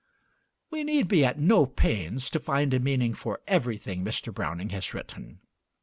We need be at no pains to find a meaning for everything Mr. Browning has written.